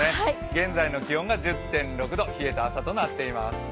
現在の気温が１０．６度、冷えた朝となっています。